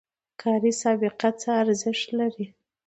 کاري سابقه څه ارزښت لري؟